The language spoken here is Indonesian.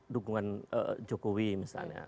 dukungan jokowi misalnya